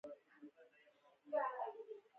بیت لحم ته د داود ښار هم ویل کیږي.